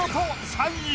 ３位。